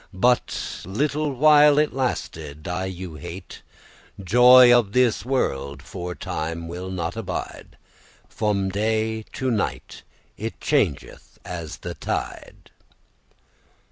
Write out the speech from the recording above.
But little while it lasted, I you hete,* *promise Joy of this world for time will not abide, From day to night it changeth as the tide.